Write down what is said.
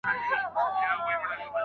کړنې باید بدې نه وي.